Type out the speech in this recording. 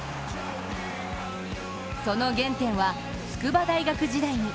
その原点は、筑波大学時代に。